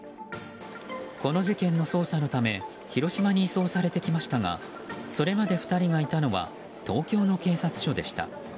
この事件の捜査のため広島に移送されてきましたがそれまで２人がいたのは東京の警察署でした。